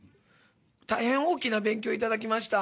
大変、大きな勉強をいただきました。